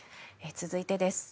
続いてです。